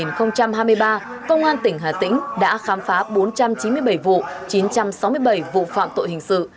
năm hai nghìn hai mươi ba công an tỉnh hà tĩnh đã khám phá bốn trăm chín mươi bảy vụ chín trăm sáu mươi bảy vụ phạm tội hình sự